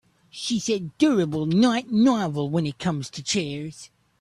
She said durable not novel when it comes to chairs.